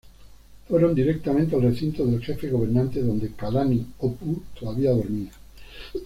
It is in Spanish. Fueron directamente al recinto del jefe gobernante donde Kalaniʻōpuʻu todavía dormía.